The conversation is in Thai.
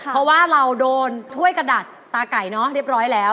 เพราะว่าเราโดนถ้วยกระดาษตาไก่เนอะเรียบร้อยแล้ว